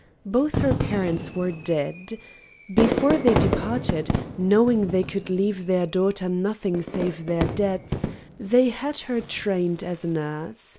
Both her parents were dead. Before they departed, knowing they could leave their daughter nothing save their debts, they had had her trained as a nurse.